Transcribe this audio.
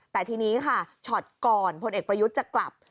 แต่ทีนี้ค่ะช็อตก่อนพลเอกประยุทธ์จะกลับ